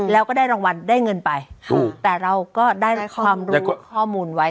แล้วก็ได้รางวัลได้เงินไปถูกแต่เราก็ได้ความรู้ข้อมูลไว้